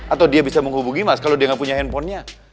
atau dia bisa menghubungi mas kalau dia nggak punya handphonenya